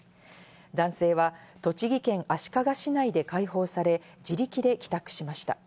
男性は栃木県足利市内で解放され、自力で帰宅しました。